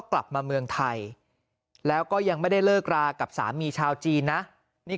กลับมาเมืองไทยแล้วก็ยังไม่ได้เลิกรากับสามีชาวจีนนะนี่